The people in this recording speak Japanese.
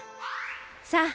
さあ